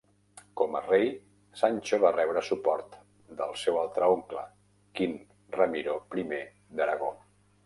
Com a rei, Sancho va rebre suport del seu altre oncle, Kin Ramiro I d'Aragó.